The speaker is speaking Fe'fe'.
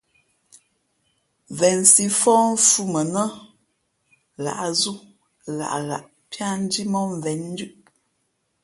Vensǐ fóh mfhʉ̄ mα nά ghǎʼzú ghaʼghaʼ píá njímóh mvěn ndʉ̄ʼ.